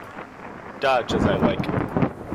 Dodge as I like.